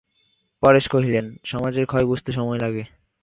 পরেশ কহিলেন, সমাজের ক্ষয় বুঝতে সময় লাগে।